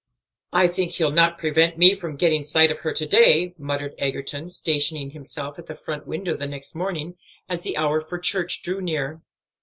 "I think he'll not prevent me from getting sight of her to day," muttered Egerton, stationing himself at the front window the next morning, as the hour for church drew near.